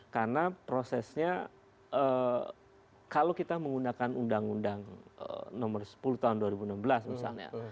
karena prosesnya kalau kita menggunakan undang undang nomor sepuluh tahun dua ribu enam belas misalnya